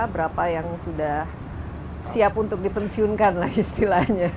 berapa yang sudah siap untuk dipensiunkan lah istilahnya